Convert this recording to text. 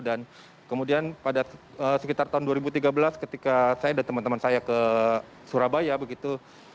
dan kemudian pada sekitar tahun dua ribu tiga belas ketika saya dan teman teman saya ke surabaya begitu